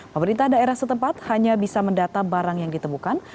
pemerintah daerah setempat hanya bisa mendata barang yang ditemukan